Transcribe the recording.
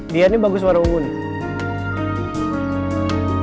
dia ini bagus warung unik